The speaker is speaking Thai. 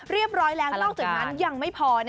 เรียบร้อยแล้วนอกจากนั้นยังไม่พอ